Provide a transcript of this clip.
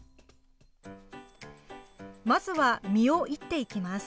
まずは実をいっていきます。